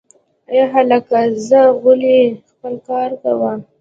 ای هلکه ځه غولی خپل کار کوه